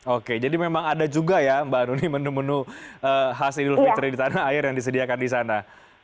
oke jadi memang ada juga ya mbak nuni menu menu khas idul fitri di tanah air yang disediakan di sana